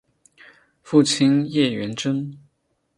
父亲叶原贞。